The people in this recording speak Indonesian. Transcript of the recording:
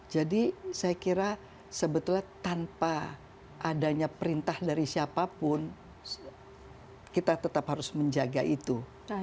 jadi saya kira sebetulnya tanpa adanya perintah dari siapapun kita tetap harus menjaga itu